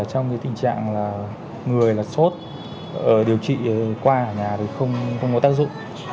trong cái tình trạng là người là sốt điều trị qua ở nhà thì không có tác dụng